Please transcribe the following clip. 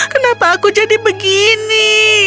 kenapa aku jadi begini